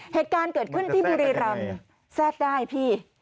เหตุการณ์เกิดขึ้นที่บุรีรำแทรกได้พี่